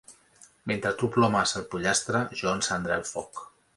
Mentre tu plomes el pollastre, jo encendré el foc.